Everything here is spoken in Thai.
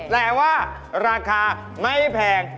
แต่ว่าราคาไม่แพง